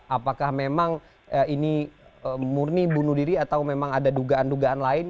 apakah memang ini murni bunuh diri atau memang ada dugaan dugaan lain